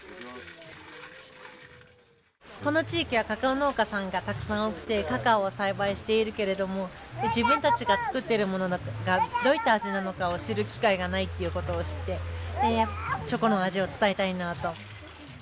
この地域はカカオ農家さんがたくさん多くてカカオを栽培しているけれども自分たちが作っているものがどういった味なのかを知る機会がないっていうことを知ってチョコの味を伝えたいなと。